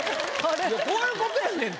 こういうことやねんって。